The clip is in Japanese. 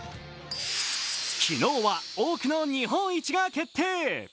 昨日は多くの日本一が決定。